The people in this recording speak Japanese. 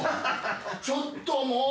ちょっともう！